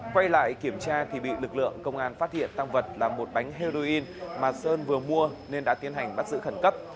quay lại kiểm tra thì bị lực lượng công an phát hiện tăng vật là một bánh heroin mà sơn vừa mua nên đã tiến hành bắt giữ khẩn cấp